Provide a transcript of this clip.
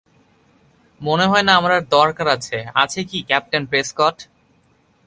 মনে হয় না আমার আর দরকার আছে, আছে কি, ক্যাপ্টেন প্রেসকট?